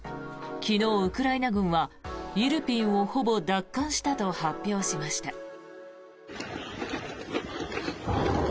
昨日、ウクライナ軍はイルピンをほぼ奪還したと発表しました。